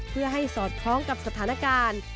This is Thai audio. เพื่อให้สอดคล้องกับสถานการณ์